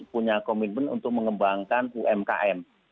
punya komitmen untuk mengembangkan umkm